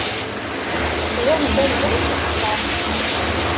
Tban-d amzun teskeṛ.